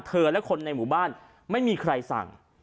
และคนในหมู่บ้านไม่มีใครสั่ง